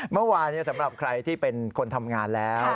เมื่อวานสำหรับใครที่เป็นคนทำงานแล้ว